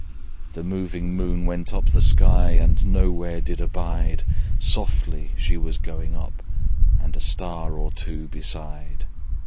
The moving Moon went up the sky, And no where did abide: Softly she was going up, And a star or two beside.